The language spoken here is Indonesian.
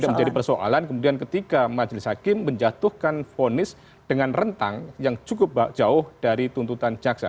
tidak menjadi persoalan kemudian ketika majelis hakim menjatuhkan fonis dengan rentang yang cukup jauh dari tuntutan jaksa